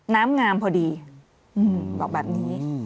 น้ำงามพอดีบอกแบบนี้